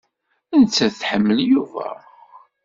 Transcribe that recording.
Nettat tḥemmel Yuba.